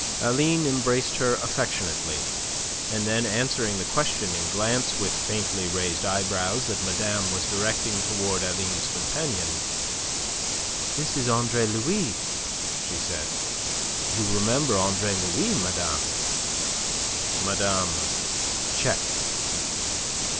Aline embraced her affectionately, and then answering the questioning glance with faintly raised eyebrows that madame was directing towards Aline's companion "This is Andre Louis," she said. "You remember Andre Louis, madame?" Madame checked.